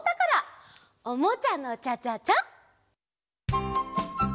「おもちゃのチャチャチャ」！